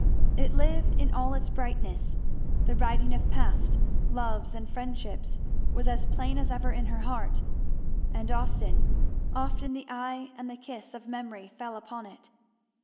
It lived in all its brightness; the writing of past loves and friendships was as plain as ever in her heart; and often, often, the eye and the kiss of memory fell upon it.